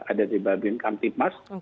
ada dari babinsa kantipas